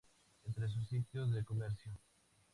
Entre otros sitios de comercio.